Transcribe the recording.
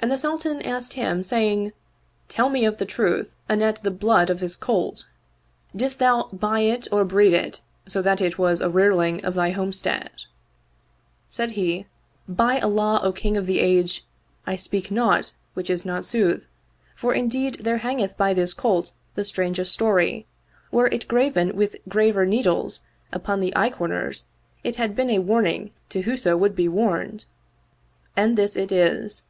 And the Sultan asked him saying, '* Tell me the truth anent the blood of this colt. Didst thou buy it or breed it so that it was a rearling of thy homestead? " Said he, " By Allah, O King of the Age, I will speak naught which is not sooth, for indeed there hangeth by this colt the strangest story : were it graven with graver needles upon the eye comers it had been a warning to whoso would be warned. And this it is.